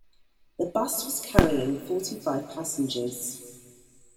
The bus was carrying forty-five passengers.